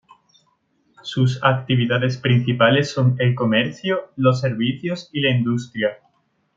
Sus actividades principales son el comercio, los servicios y la industria.